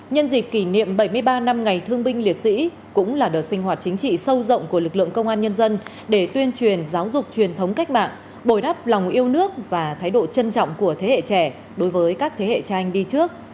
nhân dịp kỷ niệm bảy mươi ba năm ngày thương binh liệt sĩ cũng là đợt sinh hoạt chính trị sâu rộng của lực lượng công an nhân dân để tuyên truyền giáo dục truyền thống cách mạng bồi đắp lòng yêu nước và thái độ trân trọng của thế hệ trẻ đối với các thế hệ cha anh đi trước